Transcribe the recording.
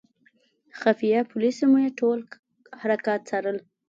خفیه پولیسو مې ټول حرکات څارل.